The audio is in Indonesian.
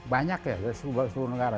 banyak ya seluruh negara